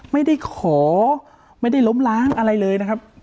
ไม่ได้ขอไม่ได้ล้มล้างอะไรเลยนะครับ